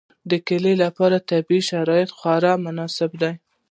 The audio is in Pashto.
د کلیو لپاره طبیعي شرایط خورا مناسب دي.